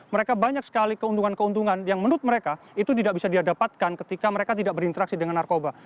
mereka banyak sekali keuntungan keuntungan yang menurut mereka itu tidak bisa dia dapatkan ketika mereka tidak berinteraksi dengan narkoba